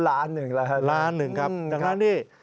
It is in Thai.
ล้าน๑ล้านครับล้าน๑ครับดังนั้นที่